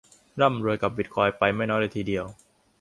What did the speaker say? ร่ำรวยกับบิตคอยน์ไปไม่น้อยเลยทีเดียว